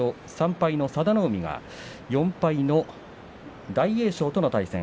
３敗の佐田の海が４敗の大栄翔との対戦。